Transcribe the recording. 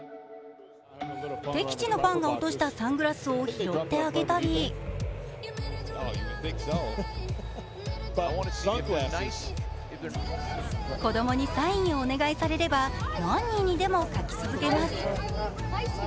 敵地のファンが落としたサングラスを拾ってあげたり子供にサインをお願いされれば何人にでも書き続けます。